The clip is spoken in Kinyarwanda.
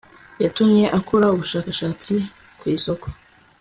yatumye akora ubushakashatsi kwisoko